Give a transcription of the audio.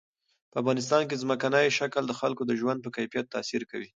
په افغانستان کې ځمکنی شکل د خلکو د ژوند په کیفیت تاثیر کوي.